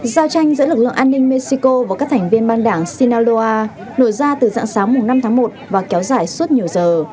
giao tranh giữa lực lượng an ninh mexico và các thành viên ban đảng sinaloa nổ ra từ dạng sáng năm tháng một và kéo dài suốt nhiều giờ